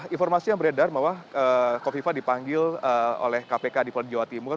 informasi yang beredar bahwa kofifa dipanggil oleh kpk di polda jawa timur